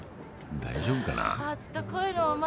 大丈夫かな？